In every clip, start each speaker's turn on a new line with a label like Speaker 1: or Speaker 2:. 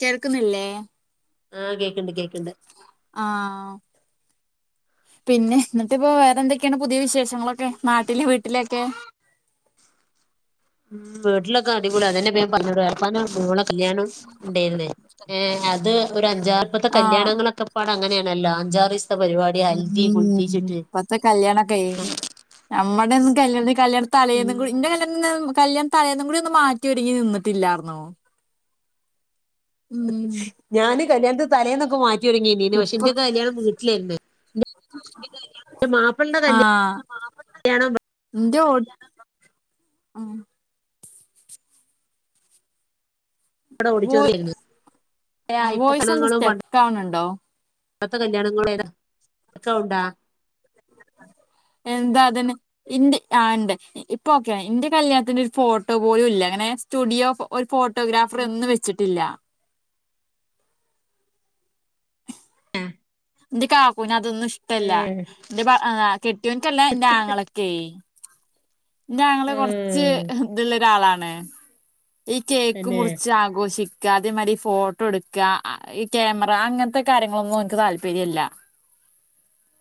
Speaker 1: കേൾക്കുന്നില്ലേ
Speaker 2: ആഹ് കേക്കണ്ട് കേക്കണ്ട്
Speaker 1: ആഹ് പിന്നെ എന്നിട്ട് ഇപ്പോ വേറെന്തൊക്കെയാണ് പുതിയ വിശേഷങ്ങളൊ നാട്ടില് വീട്ടിലൊക്കെ
Speaker 2: ഉം വീട്ടിലൊക്കെ അടിപൊളി അതന്നെ പ്പോ ഞാന് പറഞ്ഞത് ഇളയപ്പാന്റെ മോളെ കല്യാണം ഇണ്ടെരുന്നു ഏഹ് അത് ഒരു അഞ്ചാറു പ്പത്തെ
Speaker 1: ആഹ്
Speaker 2: കല്യാണങ്ങളൊക്കെ പാടെ അങ്ങനെയാണല്ലോ അഞ്ചാറിസത്തെ പരിപാടി ഹൽദി കുൽ
Speaker 1: മ് ഇപ്പത്തെ കല്യാണക്കെയി നമ്മുടെന്നും കല്യാത്തിന്
Speaker 2: ഉം
Speaker 1: കല്യാണതലയിന്നുകൂടി ഇന്റെ കല്യാണതിന്നു കല്യാണം തലേന്നും കൂടി ഒന്ന് മാറ്റിയോരിങ്ങി നിന്നിട്ടില്ലാർന്നു ഉം
Speaker 2: ഞാന് കല്യാണത്തിനു തലേന്നൊക്കെ മാറ്റിയോരിങ്ങിന്നീന് പക്ഷെ
Speaker 1: ഇപ്പൊ
Speaker 2: ന്റെക്കെ കല്യാണം വീട്ടിലായിരുന്നു
Speaker 1: ആഹ്
Speaker 2: കല്യാണം
Speaker 1: ഇന്റെ [unintelligible] മ്
Speaker 2: ഇവിടെ
Speaker 1: വോയ്
Speaker 2: ഓഡിറ്റോറിയായിരുന്നു ഏയി ഇപ്പോത്തെ
Speaker 1: വോയിസ് എന്താ
Speaker 2: പെണ്ണ്ക്കാളും പണ്ടെത്തെ
Speaker 1: സ്റ്റക്ക് ആവണുണ്ടോ
Speaker 2: ഇപ്പത്തെ കല്യാണങ്ങൾ ഏതാ [unintelligible]
Speaker 1: എന്താ അതിന് ഇന്റെ ആഹ് ഇണ്ട് ഇപ്പ ഓക്കെയ ഇന്റെ കല്യാണത്തിന്റെ ഒരു ഫോട്ടോ പോലും ഇല്ല അങ്ങനെ സ്റ്റുഡിയോ ഫോ ഒരു ഫോട്ടോഗ്രാഫറേ ഒന്നും വെച്ചിട്ടില്ല
Speaker 2: ഏഹ്
Speaker 1: എന്റെ കാക്കുന് അതൊന്നും ഇഷ്ടല്ല എന്റെ ഭർ ആഹ് കെട്ടിയൊൻക്കല്ല എന്റെ ആങ്ങളക്കെ ഇന്റെ ആങ്ങള കുറച്ച്
Speaker 2: ആഹ്
Speaker 1: ഇത്ള്ള ഒരാളാണ് ഈ കേക്ക്
Speaker 2: തന്നെ
Speaker 1: മുറിച്ച് ആഘോഷി ക്കാ അതേമാതിരി ഫോട്ടോ എടുക്കുക ഈ ക്യാമറ അങ്ങനത്തെ കാര്യങ്ങളൊന്നും ഓന്ക്ക് താല്പര്യല്ല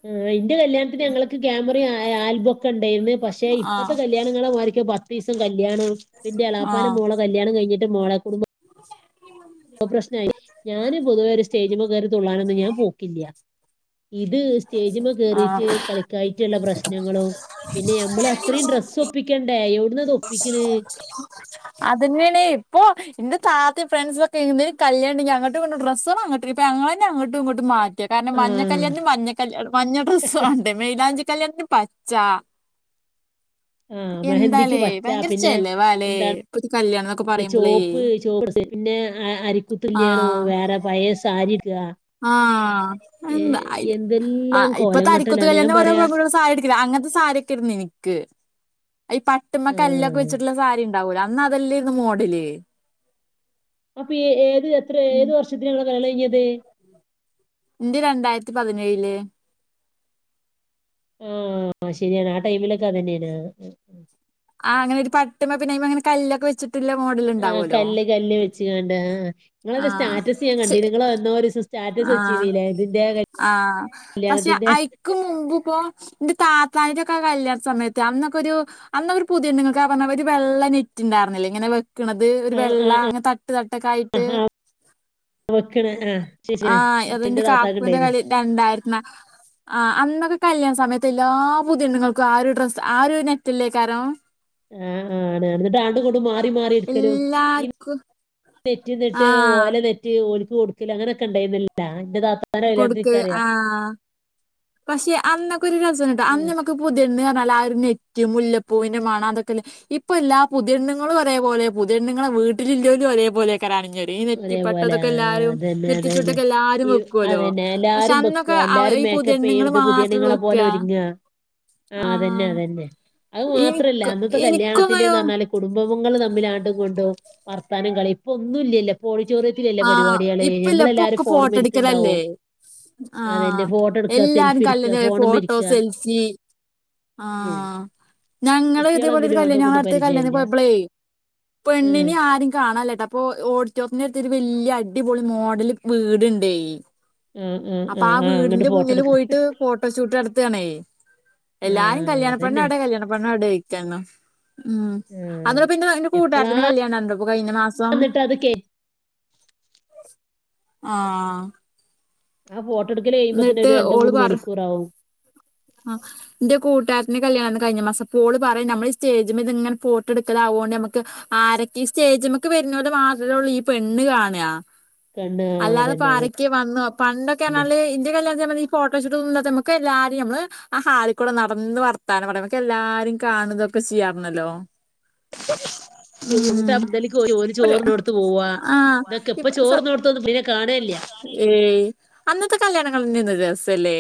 Speaker 2: ആഹ് ഇന്റെ കല്യാണത്തിന് ഞങ്ങൾക്ക് ക്യാമറയും ആൽബംക്കെ ഇണ്ടായിന്ന് പക്ഷെ ഇപ്പഴത്തെ
Speaker 1: ആഹ്
Speaker 2: കല് കല്യാണങ്ങളെമാരിക്ക് പത്തിസം കല്യാണം പ്പ ന്റെ എളാപ്പാന
Speaker 1: ആഹ്
Speaker 2: മോള കല്യാണം കഴിഞ്ഞിട്ട് മോളെ കുടുംബ
Speaker 1: [inaudible]
Speaker 2: ഒ പ്രശ്നായി ഞാന് പൊതുവെ ഒരു സ്റ്റേജ്മേ കയറി തുള്ളാനൊന്നും ഞാൻ പോക്കില്ല ഇത് സ്റ്റേജിമേ കയറിയിട്ട്
Speaker 1: ആഹ്
Speaker 2: കളിക്ക കയിട്ടുള്ള പ്രശ്നങ്ങളും പിന്നെ മ്മൾ അത്രയും ഡ്രസ്സ് ഒപ്പിക്കണ്ടേ എവിടന്ന് അത് ഒപ്പിക്കണ്
Speaker 1: അതനെണ് ഇപ്പൊ എന്റെ താത്തയും ഫ്രണ്ട്സും ഒക്കെ ഈ ന്തേലും കല്യാണണ്ടെങ്കി അങ്ങട്ടും ഇങ്ങട്ടും ഡ്രസ്സുകൾ അങ്ങട്ട് ഇപ്പൊ ഞങ്ങളെന്നെ അങ്ങിട്ടു ഇങ്ങിട്ടും മാറ്റും കാരണം
Speaker 2: ആ
Speaker 1: മഞ്ഞകല്യാണത്തിന് മഞ്ഞകല്യാ മഞ്ഞ ഡ്രസ്സ് വേണ്ടേ മെയ്ലാഞ്ചികല്യാണത്തിന് പച്ച
Speaker 2: ആഹ് മെഹന്ദിക്ക്
Speaker 1: എന്താലേ
Speaker 2: പച്ച
Speaker 1: ഭയങ്കര
Speaker 2: പിന്നെ
Speaker 1: ചെലവാലേ ഇപ്പത്തെ കല്യാണംന്നൊക്കെ
Speaker 2: എന്താണ്
Speaker 1: പറയുമ്പളേ
Speaker 2: ചുവപ്പ് ചുവപ്പിട പിന്നെ ആഹ് അരിക്കുത്ത്ല്യാണോ
Speaker 1: ആഹ്
Speaker 2: വേറെ പഴേ സാരിയെടുക്ക
Speaker 1: ആഹ് എന്താ അയിന്
Speaker 2: എന്തെല്ലാം
Speaker 1: ആഹ്
Speaker 2: കോലം
Speaker 1: ഇപ്പൊത്തെ അരിക്കുത്ത്
Speaker 2: കെട്ടലാണ് ഞാൻ
Speaker 1: കല്യാണാതിന് ഓരോ
Speaker 2: പറയാ
Speaker 1: പെൺകുട്ടിയോൾ സാരി എടു ക്കിലെ അങ്ങനത്തെ സാരിയൊക്കെയിരുന്നു ഇന്ക്ക് ഈ പട്ടുമ്മ കല്ലൊക്കെ
Speaker 2: ആഹ്
Speaker 1: വെച്ചിട്ടുള്ള സാരിണ്ട് ണ്ടാവൂലാ അന്ന് അതെല്ലേരുന്ന് മോഡല്
Speaker 2: അപ്പൊ ഏത് എത്ര
Speaker 1: ഉം
Speaker 2: ഏത് വർഷത്തിലാ ഇങ്ങടെ കല്യാണം കഴിഞ്ഞത്
Speaker 1: [inaudible] ഇന്റെ രണ്ടായിരത്തി പതിനേഴ്ല്
Speaker 2: ആഹ് ശരിയാണ് ആഹ് ടൈമിലൊക്കെ അതന്നെ ആയിന്നു
Speaker 1: ആഹ് അങ്ങനെ ഒരു പട്ട്മേ പിന്നയ്മെങ്ങിനെ കല്ലൊക്കെ വെച്ചിട്ട്ള്ള മോഡല് ണ്ടാവോലോ
Speaker 2: ചിയേണ്ടേ നിങ്ങളത് സ്റ്റാറ്റസ് ഞാൻ
Speaker 1: ശെ
Speaker 2: കണ്ടീനു നിങ്ങളെന്നോ ഒരു സ്റ്റാറ്റസ് വെച്ചീനിലേ ഇതിന്റെ
Speaker 1: ആഹ് പഷെ
Speaker 2: കല്യാണത്തിന്റെ
Speaker 1: അയ്ക്കും മുമ്പ്പ്പോ ന്റെ താത്താന്റെക്ക കല്യാണ സമയത്ത് അന്നൊക്കൊരു അന്ന് ഒരു പുതിയണ്ണുകൾക്ക് ആഹ് പറഞ്ഞ ഒരു വെള്ള നെറ്റ്ണ്ടാർന്നിലേ ഇങ്ങനെ വെക്ക്ണത് ഒരു
Speaker 2: ആഹ്
Speaker 1: വെള്ള
Speaker 2: ആഹ് ആഹ്
Speaker 1: അങ്ങൻത്ത ട്ട്തട്ട്ക്കായിട്ട്
Speaker 2: വെക്ക്ണ് ആഹ് ശരിയാണ്
Speaker 1: ആഹ് ത് ന്റെ
Speaker 2: ഇന്റെ താത്താക്ക്
Speaker 1: കാക്കുന്റെ
Speaker 2: ഇണ്ടേന്ന്
Speaker 1: കലി രണ്ടായിരത്ത്ന്നാ ആഹ് അന്നൊക്കെ കല്യാണ സമയത്ത് എല്ലാ പുത്യെണ്ണുങ്ങൾക്കും ആഹ് ഒരു ഡ്രസ്സ് ആഹ് ഒരു നെറ്റല്ലേക്കാരോം
Speaker 2: ആഹ് ആഹ് ആണ് എന്നിട്ടാണ്ട്ങ്ങട്ടും ഇങ്ങട്ടും മാറി മാറി ഇര്ക്കലും ഈ
Speaker 1: എല്ലാർക്കും ആ
Speaker 2: നെറ്റിന്നിട്ട് ഓല നെറ്റി ഓൽക്ക് കൊടുക്കൂലാ അങ്ങനക്കെണ്ടായിരുന്നില്ണ്ടാ ന്റെ താ-
Speaker 1: കൊടുക്ക് ആഹ് പഷെ അന്നൊക്കെ ഒരു രസണ്ടിട്ടാ
Speaker 2: ഉം
Speaker 1: അന്ന് നമുക്ക് പുത്യെണ്ണ് പറഞ്ഞാല് ആ ഒരു നെറ്റും മുല്ലപ്പൂവിന്റെ മണം അതൊക്കല്ലേ ഇപ്പല്ലാ പുതിയണ്ണ്ങ്ങളും ഒരേപോലെ പുതിയണ്ണ്ങ്ങളെ വീട്ടിലില്ലോരും ഒരേപോലേക്കരം അണിഞൊര് -
Speaker 2: ഒരേ പോലെ ആഹ് അതന്നെ അതന്നെ
Speaker 1: നെറ്റിച്ചുട്ടൊക്കെ എല്ലാരും
Speaker 2: ഈ
Speaker 1: വെക്കുവല്ലോ
Speaker 2: അതന്നെ
Speaker 1: പക്ഷെ
Speaker 2: എല്ലാരും ബെക്കാ
Speaker 1: അന്നൊക്കെ അവ
Speaker 2: എല്ലാരും
Speaker 1: ഈ
Speaker 2: മേ- ക്കപ്പെയ്യും
Speaker 1: പുതിയെണ്ണുങ്ങള് മാത്രം
Speaker 2: പുതിയണ്ണുങ്ങളെ
Speaker 1: വെക്ക
Speaker 2: പോലെ ഒരുങ്ങാ ആഹ് അതന്നെ അതന്നെ അത് മാത്രല്ല
Speaker 1: എനിക്ക്
Speaker 2: അന്നത്തെ കല്യാണത്തിന്
Speaker 1: എനിക്കൊന്നൊരു
Speaker 2: ന്ന് പറഞ്ഞാല് കുടുംബങ്ങള് തമ്മിലാണ്ടും ഇങ്ണ്ടും വർത്താനം കളീം പ്പൊ ഒന്നുല്ല്യേലോ ഇപ്പോഡിറ്റൊറിയ
Speaker 1: ആഹ് ഇപ്പല്ല്യാ ഇപ്പൊക്കെ ഫോട്ടോ
Speaker 2: ഫോണുമ്മരിക്ക്ണ്ടാവും
Speaker 1: എടുക്കലല്ലേ
Speaker 2: അതന്നെ
Speaker 1: ആഹ്
Speaker 2: ഫോട്ടോ എടുക്ക
Speaker 1: എല്ലാരും
Speaker 2: സെൽഫി എടുക്ക
Speaker 1: കല്ലില്
Speaker 2: ഫോണുമ്മരിക്ക
Speaker 1: ഫോട്ടോസ് സെൽഫി
Speaker 2: ഉം
Speaker 1: ആഹ് ഞങ്ങള്
Speaker 2: കുട്ടികളെ
Speaker 1: ഇതേപോലെ ഒരു
Speaker 2: തമ്മിലും ആണ്ടും
Speaker 1: കല്ല്യാണെ
Speaker 2: ഇങ്ങട്ടും
Speaker 1: ഞാങ്ങവ്ടുത്തെ
Speaker 2: പരിചയല്ല
Speaker 1: കല്യാൺത്തിന് പോയ്‌പ്ലെ
Speaker 2: ആഹ്
Speaker 1: പെണ്ണിനേം ആരേം കാണാല്ലാട്ടോ ഇപ്പൊ ഓഡിറ്റോർത്തിന്റെടുത്തൊരു ഒരു വല്ല്യ അടിപൊളി മോഡല് വീട്ണ്ടേ
Speaker 2: ആഹ് ആഹ്
Speaker 1: അപ്പാ
Speaker 2: ആഹ് ആഹ് അങ്ങട്ട്
Speaker 1: വീട്ന്റെ
Speaker 2: ഫോട്ടോ
Speaker 1: മുന്നില്
Speaker 2: എടുക്ക
Speaker 1: പോയിട്ട് ഫോട്ടോഷൂട്ട് നട്ത്താണേ എല്ലാരും
Speaker 2: ആഹ്
Speaker 1: കല്യാണ
Speaker 2: അതന്നെ
Speaker 1: പെണ്ണെവ്ടെ കല്യാണ പെണ്ണെവ്ടെ ഓയ്ക്കാര്ന്നു ഉംഹ്
Speaker 2: ആഹ്
Speaker 1: അന്നരം പിന്നാ എന്റെ
Speaker 2: എപ്പളാ
Speaker 1: കൂട്ടാര്ത്തിന്റെ കല്യാണണ്ടായിരുന്നുട്ടോ കഴിഞ്ഞ മാസം
Speaker 2: എന്നിട്ട് അത് കേ
Speaker 1: ആഹ്
Speaker 2: ആഹ് ഫോട്ടെടുക്കല് കയ്മ്പോത്തിന്
Speaker 1: എന്നിട്ട്
Speaker 2: ഒരു രണ്ട്
Speaker 1: ഓള്
Speaker 2: മൂന്ന്
Speaker 1: പറ
Speaker 2: മണിക്കൂറാവും
Speaker 1: ആഹ് ന്റെ കൂട്ടാര്ത്തിന്റെ കല്യാണആര്ന്ന് കഴ്ഞ്ഞ മാസം പ്പൊ ഓള് പറയാ നമ്മള് സ്റ്റേജ്മ്മെത്ങ്ങനെ ഫോട്ടൊ എടുക്കലാവോണ്ട് നമുക്ക് ആരൊക്കെ സ്റ്റേജ്മക്ക് വരുന്നോര് മാത്രേള്ളൂ ഈ പെണ്ണ് കാണാ.
Speaker 2: കണ്ണ്
Speaker 1: അല്ലാത
Speaker 2: അതന്നെ അതെ
Speaker 1: പ്പാരെ ക്കെ വന്നു പണ്ടൊക്കെർഞ്ഞാല് ഇന്റെ കല്യാണത്തിമല് ഈ ഫോട്ടോഷൂട്ടൊന്നുല്ലാത്ത നമ്മ്ക്ക് ല്ലാരെ മ്മ്ള് ആഹ് ഹാളിക്കൂടെ നടന്ന് വർത്താനം പറയും ഞമ്മക്കെല്ലാരേം കാണതൊക്കെ ചെയ്യാര്ന്നല്ലോ
Speaker 2: ന്നട്ട് ആ പന്തൽക്ക് പോയി ഓല്
Speaker 1: ഒരു
Speaker 2: ചോർന്നോട്ത്ത് പോവാ
Speaker 1: ആഹ്
Speaker 2: ഇതൊക്കെ ഇപ്പൊ
Speaker 1: ഇപ്പ സ
Speaker 2: ചോറ്ന്നോട്ത്തൊന്നും തീരെ കാണേല്ല്യാ
Speaker 1: ഏയ് അന്നത്തെ കല്യാണങ്ങൾ അന്നേർന്നു രസം ലേ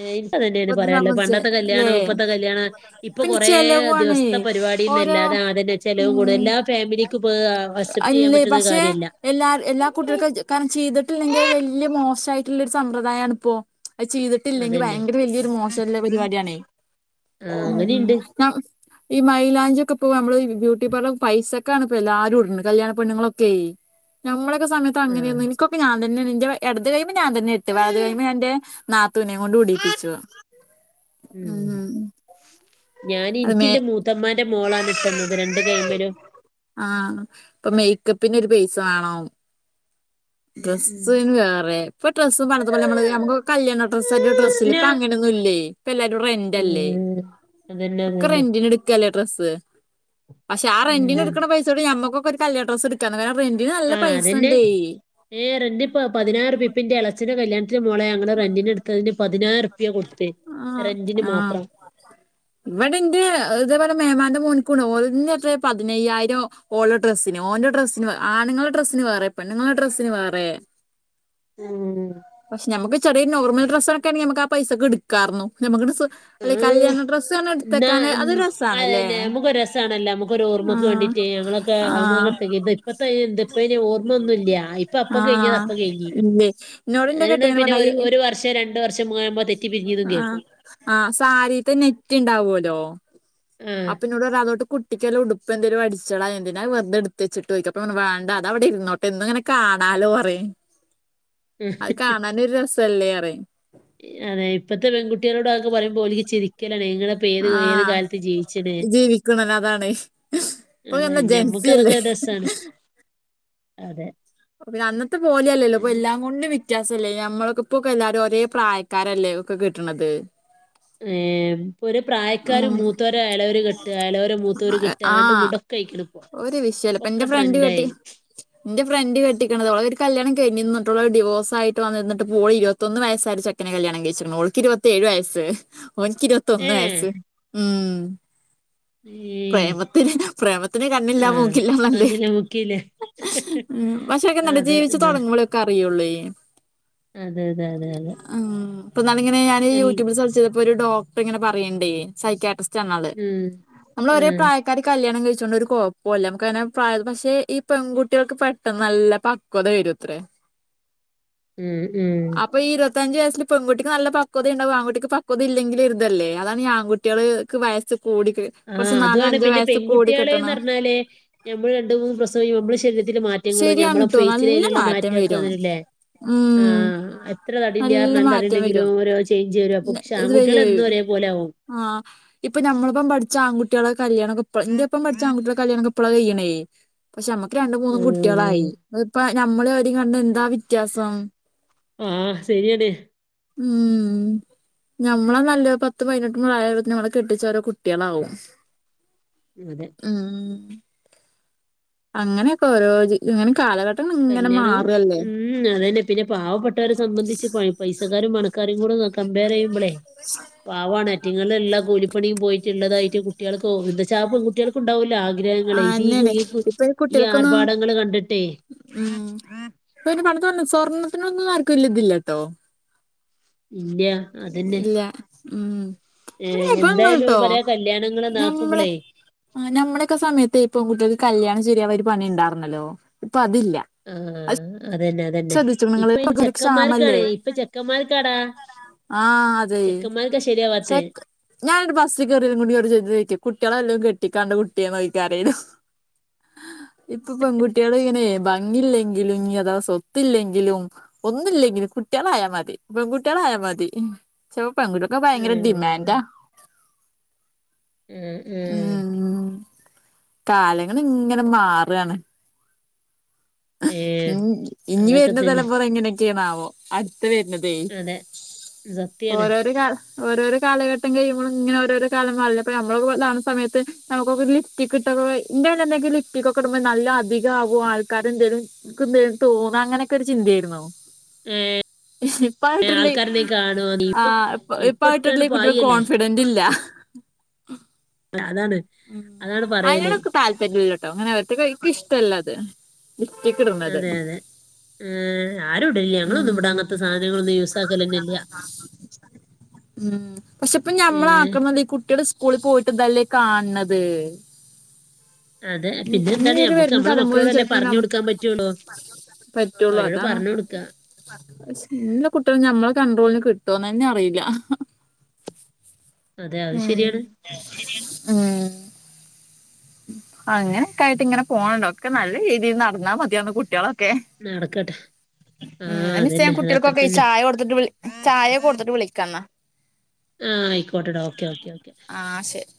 Speaker 2: ഏഹ് ഇന്ക് അതന്യേണ് പറയാനുള്ളത്. പണ്ടത്തെ
Speaker 1: ല്ലേ
Speaker 2: കല്യാണം ഇപ്പത്തെ കല്യാണം ഇപ്പൊ
Speaker 1: പിന്നെ
Speaker 2: കൊറേ
Speaker 1: ചെലവാണ്
Speaker 2: ദിവസ്ത്തെ പരിപാ
Speaker 1: ഓരോ
Speaker 2: ടിന്നല്ലാതെ ആഹ് അതന്നെ ചെലവ് കൂടുതൽ
Speaker 1: ഉം
Speaker 2: എല്ലാ ഫാമിലിക്കും ഇപ്പൊതാ അസെപ്റ്റ് ചെയ്യാൻ പറ്റുന്ന കാര്യല്ല
Speaker 1: എല്ലാര് എല്ലാ കുട്ടികൾക്കും അത് കാരണം ചെയ്തിട്ടില്ലെങ്കി അയ് വൽ- ല്ല്യ മോശായ്ട്ട്ള്ളെര് സമ്പ്രദായണ് ഇപ്പോ. അയ് ചെയ്തിട്ടില്ലെങ്കി
Speaker 2: അതന്നെ
Speaker 1: ഭയ്ങ്കര വല്ല്യ മോശള്ളൊര് പര്പാടിയാണേ
Speaker 2: ആ
Speaker 1: ഉം ഉം
Speaker 2: അങ്ങനിണ്ട്
Speaker 1: ന ഇ മൈയിലാഞ്ചി ക്കെപ്പൊ നമ്മള് ബ്യൂട്ടി പാർലറ് പൈസക്- ക്കാണ് പ്പൊല്ലാരുട്ൻ കല്യാണപെണ്ണ്ങ്ങളൊക്കേയ് നമ്മടെയൊക്കെ സമയത്ത്
Speaker 2: ആ
Speaker 1: അങ്ങനേർന്നു നിക്കൊക്കെ ഞാൻ തന്നാണ് ന്റെ എടത് കയ്യുമ്മെ ഞാ തന്നെ ഇട്ടേ. വലത് കയ്യുമ്മെ ഞാനെന്റെ നാത്തൂനെ കൊണ്ടുടീപ്പിച്ചു.
Speaker 2: ഉംഹ് ഞാന്
Speaker 1: അത് മേ
Speaker 2: ഇൻക്കിന്റെ മൂത്തമ്മാന്റെ മോളാണ് ഇട്ടന്നത് രണ്ട് കൈയ്യുമ്മെലും.
Speaker 1: ആഹ് ഇപ്പൊ മേയ്ക്കപ്പിനൊരു പൈസ വാണം
Speaker 2: ഉം ഉം
Speaker 1: ഡ്രസ്സ്ന് വേറെ ഇപ്പൊ ഡ്രസ്സ് പണ്ടത്തെ പോലെ നമ്മള് നമ്മുക്കൊക്കെ കല്യാണ ഡ്രസ് ആയിട്ടൊരു ഡ്രസ്സില്ലേ
Speaker 2: അസ്ന
Speaker 1: ഇപ്പ അങ്ങനൊന്നും ഇല്ലേ ഇപ്പ എല്ലാരും റെന്റ് അല്ലേ
Speaker 2: ഉം അതന്നെ
Speaker 1: ഒക്കെ
Speaker 2: അതന്നെ
Speaker 1: റെന്റിന് എടുക്കല്ലേ ഡ്രസ്സ് പക്ഷെ ആ റെന്റിന്
Speaker 2: ഉം
Speaker 1: എടുക്കുന്ന പൈസോട്ട് നമ്മക്കൊക്കെ ഒരു കല്യാണ ഡ്രസ്സ് എടുക്കാന്ന് കാരണം ആ റന്റിന് നല്ല
Speaker 2: ആഹ്
Speaker 1: പൈസ
Speaker 2: അതന്നെ
Speaker 1: ണ്ടേ
Speaker 2: ഏഹ് റെന്റിപ്പൊ പതിനായിറുപ്പി പ്പി ന്റെ ഇളേച്ചന്റെ കല്യാത്തിന് മോളെ ഞങ്ങള് റന്റിന്ടുത്തതിന് പതിനായിറ് പ്യാ കൊടുത്തേ റെന്റിന് മാത്രം
Speaker 1: ഇവിടെന്റെ ഇതേപോലെ മേമാന്റെ മോനിക്കുണ്ട് ഓലന്നെ എത്ര പതിനയ്യായിരോ ഓളെ ഡ്രസ്സിന് ഓന്റെ ഡ്രസ്സിന് ആണുങ്ങളുടെ ഡ്രസ്സിന് വേറെ പെണ്ണുങ്ങളുടെ ഡ്രസ്സിന് വേറെ
Speaker 2: ഊം
Speaker 1: പക്ഷെ നമുക്ക് ചെറിയ നോർമൽ ഡ്രസ്സൊക്കെെണെങ്കി നമുക്ക് ആ പൈസക്ക്‌ എടുക്കാരുന്നു നമ്മുക്ക് ഡ്രസ്സ് അല്ലെ
Speaker 2: ഉം
Speaker 1: കല്യാണ ഡ്രസ്സ് പറഞ്ഞ
Speaker 2: ന്നാ
Speaker 1: എടുത്തേക്കാന് അത് രസാണല്ലേ
Speaker 2: അയന്നെ നമുക്ക് ഒര് രസാണല്ലാം നമുക്ക്ഒരു ഓർമ്മക്ക്
Speaker 1: ആഹ്
Speaker 2: വേണ്ടിട്ടേ ഞങ്ങളൊ ക്ക്‌ അമ്മക്ക്‌
Speaker 1: ആഹ്
Speaker 2: തരിത് ഇപ്പത്തെ ഈ ഇത് ഇപ്പഅയിന് ഓർമ്മൊന്നുല്ല ഇപ്പ അപ്പ കഴിഞ്ഞത് അപ്പ കഴിഞ്ഞി
Speaker 1: ഇമ്മേ
Speaker 2: അങ്ങനേണെ പിന്നെ ഒര് ഒരു വർഷേ രണ്ട് വർഷേ [unintelligible] ആമ്പൊ
Speaker 1: ആഹ് ആഹ് സാരീത്തെ നെറ്റ്ണ്ടാവോല്ലോ
Speaker 2: ആഹ്
Speaker 1: അപ്പൊ ഇന്നോട് പറ അതോട്ട് കുട്ടിക്ക്‌ വല്ല ഉടുപ്പന്തെലും അടിച്ചളാ എന്തിനാ വെർതെ എടുത്തെച്ചിട്ടോയ്ക്ക അപ്പ പർഞ്ഞു വേണ്ട അതവിടെ ഇരുന്നോട്ട് എന്നുംങ്ങനെ കാണാലോ പറയു അത് കാണാനും ഒരു രസല്ലേ അറയു
Speaker 2: അതെ ഇപ്പത്തെ പെൺകുട്ടികളോട് അതൊക്കെ പറയുമ്പോ ഓല്ക്ക് ചിരിക്കലാണേ ഇങ്ങള് ഇപ്പൊ ഏത് ഏത്
Speaker 1: ആഹ്
Speaker 2: കാലത്ത് ജീവിച്ച്ണ്
Speaker 1: ജീവിക്കണല്ലോ അതാണ് ഇപ്പൊ
Speaker 2: അതെ
Speaker 1: എന്താ ജെൻസി
Speaker 2: ഞമ്മക്കതൊക്കെ ഒരു
Speaker 1: അല്ലേ
Speaker 2: രസാണ് അതെ
Speaker 1: അപ്പോ പിന്നെ അന്നത്തെ പോലെയല്ലല്ലോ ഇപ്പ എല്ലാം കൊണ്ടും വ്യത്യാസം ല്ലേ ഞമ്മൾക്ക്‌ ഇപ്പോക്കെ എല്ലാരും ഒരേ പ്രായക്കാരല്ലേ ഒക്കെ കിട്ടണത്
Speaker 2: ഏഹ് ഇപ്പൊരെ പ്രായക്കാരും
Speaker 1: ഉം
Speaker 2: മൂത്തോരെ എളയവര് കെട്ടാ എളയരെ മൂത്തോര് കെട്ടാ
Speaker 1: ആ
Speaker 2: അങ്ങട്ടുങ്ങട്ടൊക്കെ അയിക്ക്‌ണ്പ്പോ ഒക്കെ ട്രെൻഡായി
Speaker 1: ഇന്റെ ഫ്രണ്ട് കെട്ടിക്കണത് ഓളെ ഒര് കല്യാണം കഴഞീന്ന് ട്ടോള് ഡിവോഴ്സായിട്ട് വന്നിന്നിട്ട് പ്പോളീ ഇരുപത്തൊന്ന് വയസ്സായൊരു ചെ ക്കനെ കല്യാണം കഴിച്ചിക്ക്‌ണ് ഓൾക്ക് ഇരുപത്തേഴു വയസ് ഓന്ക്ക് ഇരുപത്തൊന്ന്
Speaker 2: ഏഹ്
Speaker 1: വയസ്സ് ഉം
Speaker 2: ഏഹ്
Speaker 1: പ്രേമത്തിന് പ്രേമത്തിന് കണ്ണില്ല
Speaker 2: ആഹ്
Speaker 1: മൂക്കില്ലാന്നല്ലേഹ്ഹ്
Speaker 2: കണ്ണിലെ മുക്കിലെ
Speaker 1: ഉം പക്ഷേക്കെന്നട്ട്
Speaker 2: അതെ
Speaker 1: ജീവിച്ചു
Speaker 2: ന്ന്
Speaker 1: തൊടങ്ങുമ്പോളൊക്കെ അറിയുള്ളെ
Speaker 2: അതെ അതെ അതെ അതെ
Speaker 1: ഉം ഇപ്പംന്നാളിങ്ങനെ ഞാന്
Speaker 2: എൽ
Speaker 1: യൂട്യൂബില് സെർചെയ്തപ്പോ ഒരു ഡോക്ടറ്ങ്ങനെ പറയ്ണ്ടേ സൈക്കാട്രിസ് സ്റ്റാണാള്
Speaker 2: ഉം
Speaker 1: നമ്മള് ഒരേ
Speaker 2: ആഹ്
Speaker 1: പ്രായ ക്കാര് കല്യാണം കഴിച്ചോണ്ട് ഒരു കൊയപ്പോല്ല നമുക്കങ്ങനെ പ്രായം പക്ഷെ ഈ പെൺകുട്ടികൾക്ക് പെട്ടന്ന് നല്ല പക് ക്വത വരുത്രേ
Speaker 2: ഉം ഉം
Speaker 1: ഇപ്പ ഈ ഇരുത്തഞ്ച് വയസ്സിൽ പെൻകുട്ടിക്ക് നല്ല പക്വതേണ്ടാവും ആൺകുട്ടിക്ക് പക്വതല്ലങ്കിലൊരുതല്ലേ അതാണ് ഈ ആൺകു ട്ട്യാള് ക്ക് വയസ്സ് കൂടി കെ
Speaker 2: ആഹ് അതുവാണ് പിന്നെ പെൺകുട്ട്യാള്ന്നറഞ്ഞാല് ഞമ്മള് രണ്ട് മൂന്ന് പ്രസവം കയ്യുമ്പോ ഞമ്മളെ ശരീരത്തിന്റെ മാറ്റ റ്റങ്ങളും
Speaker 1: ശരിയാണ്
Speaker 2: ഞമ്മളെ
Speaker 1: ട്ടോ നല്ല
Speaker 2: ഫേസിലയിനുള്ള
Speaker 1: മാറ്റം
Speaker 2: മാറ്റൊക്കെ
Speaker 1: വരും
Speaker 2: അങ്ങനല്ലേ
Speaker 1: ഉം
Speaker 2: ആഹ് എത്ര
Speaker 1: നല്ല
Speaker 2: തടില്ല്യാറഞ്ഞാലും
Speaker 1: മാറ്റം വരും
Speaker 2: തടിണ്ടെങ്കിലും ഓരോ ചേഞ്ച് വര് രും
Speaker 1: ഇത്
Speaker 2: പുക്ഷാൺകുട്ട്യാള് എന്നും
Speaker 1: വരും
Speaker 2: ഒരേപോലാവും
Speaker 1: ആഹ് ഇപ്പൊഞമ്മളിപ്പം പഠിച്ച ആൺകുട്ട്യാള കല്യാണക്കപ്പളാ ഇന്റെപ്പം പഠിച്ച ആൺകുട്യാളെ കല്യാണൊക്കെ ഇപ്പളാ കെയ്യണേ പക്ഷെ ഞമ്മക്ക് രണ്ടും മൂന്നും
Speaker 2: ഉം
Speaker 1: കുട്ട്യാളായി അതിപ്പ നമ്മളേം അവരേം കണ്ട എന്താ വ്യത്യാസം
Speaker 2: ആഹ് ശരിയാണെ
Speaker 1: ഉം ഞമ്മളെ നല്ലൊ പത്ത് പയിനെട്ട് പ്രായാമ്പത്തിന് നമ്മളെ കെട്ടിച്ചോരോ കുട്ട്യാളാവും
Speaker 2: അതെ
Speaker 1: ആഹ് അങ്ങനെയൊക്കെ ഓരോജ് ഇങ്ങനെ കാലഘട്ടം ഇങ്ങനെ
Speaker 2: കല്യാണം
Speaker 1: മാറല്ലേ
Speaker 2: ഉം അതന്നെ പിന്നെ പാവപ്പെട്ടവരെ സംബന്ധിച്ച് പയി പൈസക്കാരും പണക്കാരും കൂടെ കംമ്പേറെയ്യുമ്പളെ പാവാണ് അറ്റ്ങ്ങള് ള്ള കൂലിപ്പണിയും പോയിട്ടുള്ളതായിട്ട് കുട്ടികൾക്കോ എന്താച്ചാ പെൺകുട്ടികൾക്കുണ്ടാവൂല്ല ആഗ്രഹങ്ങളെ ഇത് ഈ
Speaker 1: ആന്നെയാണ് ഇപ്പൊ
Speaker 2: ഈ
Speaker 1: കുട്ടികൾക്കൊന്നും
Speaker 2: ആർഭാടങ്ങള് കണ്ടിട്ടേ
Speaker 1: ഉം ഇപ്പൊ പണ്ടത്തോലൊന്നും സ്വർണ്ണത്തിനൊന്നും ആർക്കും ല്ലിതില്ലാട്ടോ
Speaker 2: ഇല്ല
Speaker 1: ഇല്ല ഉം
Speaker 2: ഏ
Speaker 1: പിന്നെ
Speaker 2: എന്തായാലും
Speaker 1: ഇപ്പങ്ങട്ടോ
Speaker 2: പറയാ കല്യാണങ്ങള് നാക്കുമ്പളേ
Speaker 1: ആ നമ്മളേക്കെ സമയത്തേ പെൺ കുട്ടികൾക്ക് കല്യാണം ശരിയാവാനൊരു പണിണ്ടാർന്നല്ലോ ഇപ്പൊ അതില്ല
Speaker 2: ആ
Speaker 1: അത്
Speaker 2: അതന്നെ അതന്നെ
Speaker 1: ശ്രദ്ധിച്ചോ നിങ്ങള്
Speaker 2: ഇപ്പൊ ഇനി
Speaker 1: ഒരു ക്ഷാമല്ലേ
Speaker 2: ചെക്കന്മാർക്കാണ് ഇപ്പൊ ചെക്കൻമാർക്കാടാ
Speaker 1: ആഹ്
Speaker 2: ചെക്കൻമാർക്ക ശരിയാവാത്തെ
Speaker 1: ഞാൻ ഒരു ബസ്സി കയറിയും കൂടി ചോയ്ക്കും കുട്ടികളെ വല്ലോം കെട്ടിക്കാനുണ്ടോ കുട്ടിയെന്ന് ചോദിക്കും ആരേലും
Speaker 2: [inaudible]
Speaker 1: ഇപ്പൊ പെൺുട്ടികള് ഇങ്ങനെ ല്ലെങ്കിലും ഇ അഥവ സ്വത്തില്ലെങ്കിലും ഒന്നില്ലെങ്കിലും കുട്ടികളായാൽ മതി ട്ടികളായ മതി ചിലപ്പോ പെങ്കുട്ടിക്കൊക്കെ ഭയങ്കര
Speaker 2: ഉം
Speaker 1: ഡിമാൻ്റാ ഉം കാലങ്ങളി ങ്ങനെ മാറുവാണ്
Speaker 2: ഏഹ്
Speaker 1: ഉം ഇനി
Speaker 2: അതൊക്കെ
Speaker 1: വരുന്ന
Speaker 2: തന്നെ
Speaker 1: തലമുറ ഇങ്ങനെയ ണാവോ അടുത്ത വരുന്നതേ
Speaker 2: അതെ സത്യാണ്
Speaker 1: ഓരോരു ഓരോരോ കാലഘട്ടം കഴിയുമ്പോളും ഇങ്ങനെ ഓരോരോ കാലം നമ്മണ സമയത്ത് നമുക്കെ ഇട്ടിക്കിട്ട ഇന്തെ എന്തെങ്കിലും ഇട്ടിക്കൊക്കിടുമ്പോ നല്ല അധിക ആവും ആ ക്കതെന്തേലും എന്തേലും തോന്നുന്നു അങ്ങനെയൊക്കെ ഒരു ചിന്തായാരുന്നോ
Speaker 2: ഏഹ്
Speaker 1: ഇപ്പായിട്ടില്ലേ
Speaker 2: ആൾക്കാരനെ കാണുവോ നീ
Speaker 1: ആ
Speaker 2: ഇപ്പൊ ഇപ്പൊ ഇട്ടാണ്
Speaker 1: ഇപ്പായിയിട്ടില്ലെ കുട്ടിക
Speaker 2: പായല്ലേ
Speaker 1: കോൺഫിഡ ബൻ്റില്ല
Speaker 2: അതാണ്
Speaker 1: ഉം
Speaker 2: അതാണ് പറയല്
Speaker 1: അതിനോടക്ക താല്പര്യല്ലട്ടോ അങ്ങനെ അവർത്ത ക്കിഷ്ടല്ല അത് ലിഫ്റ്റിക്കിടുന്നത്
Speaker 2: ഉം ആരും ഇടില്ല ഞങ്ങളൊന്നും ഇവിടെ അങ്ങനത്തെ
Speaker 1: ഉം
Speaker 2: സാധനങ്ങളൊന്നും യൂസ്സാക്കലന്നെ ഇല്ല
Speaker 1: ഉം പക്ഷെ ഇപ്പ ഞമ്മൾ
Speaker 2: ഏഹ്
Speaker 1: ആക്കണംല്ല ഈ കുട്ടിയുടെ സ്കൂളിൽ പോയിട്ട്തല്ലേ കാ ണത്
Speaker 2: അതെ
Speaker 1: ഉം
Speaker 2: പിന്നെ
Speaker 1: ഇനി
Speaker 2: എന്താണ്
Speaker 1: ഒര്
Speaker 2: ഞമ്മക്ക്
Speaker 1: വരുന്ന
Speaker 2: നമ്മളെ
Speaker 1: തലമുറയും
Speaker 2: മക്കളോടല്ലേ
Speaker 1: ചെലപ്പോ ന
Speaker 2: പറഞ്ഞു കൊടുക്കാൻ പറ്റുള്ളൂ
Speaker 1: പറ്റുള്ളു
Speaker 2: അവരോട്
Speaker 1: അതാണ്
Speaker 2: പറഞ്ഞു കൊടുക്ക
Speaker 1: എല്ലാ കുട്ടികും ഞമ്മളെ കണ്ട്രോളിന് കിട്ടുവന്ന് തന്നെ അറിയില്ല
Speaker 2: അതെ
Speaker 1: ഉം
Speaker 2: അത് ശരിയാണ്
Speaker 1: ഉം അങ്ങനൊക്ക ആയിട്ട് ഇങ്ങനെ പോണണ്ടോ ഒക്കെ നല്ല രീതിയിൽ നടന്നാൽ മതിയന്ന് കുട്ടികളെ
Speaker 2: നടക്കട്ടെ
Speaker 1: ഉം
Speaker 2: ആഹ്
Speaker 1: മിസ്സ
Speaker 2: അതന്നെ അത് അത്ര
Speaker 1: കുട്ടികൾക്കൊക്കെ
Speaker 2: തന്നെ
Speaker 1: ചായ കൊടുത്തിട്ട് വിളി ചായ കൊടുത്തിട്ട് വിളിക്കാംന്നാ
Speaker 2: ആ ആയിക്കോട്ടെടാ ഓക്കെ ഓക്കെ ഓക്കെ
Speaker 1: ആ ശരി